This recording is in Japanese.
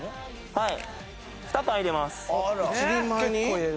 はい。